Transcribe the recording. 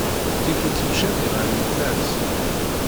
Dick yettemcabi ɣer yemma-s.